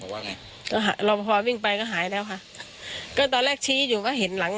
ว่าไงก็รอพอวิ่งไปก็หายแล้วค่ะก็ตอนแรกชี้อยู่ก็เห็นหลัง